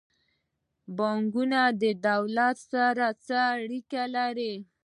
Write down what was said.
بانکونه د دولت سره څه اړیکه لري؟